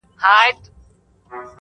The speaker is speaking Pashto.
درته خبره كوم.